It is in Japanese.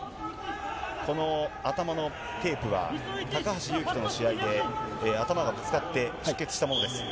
この頭のテープは高橋侑希との試合で、頭がぶつかって、出血したものです。